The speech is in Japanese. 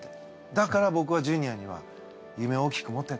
だからぼくはジュニアには夢を大きく持てって。